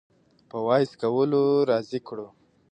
په واپس کولو راضي کړو